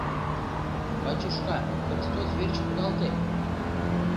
— Бачышка, Христос верч кудалте!